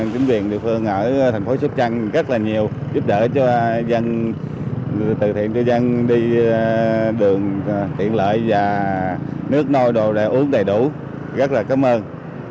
chính quyền địa phương ở thành phố sóc trăng rất là nhiều giúp đỡ cho dân từ thiện cho dân đi đường tiện lợi và nước nôi đồ đạ uống đầy đủ rất là cảm ơn